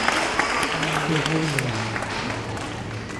Tôgôl le ñwemel!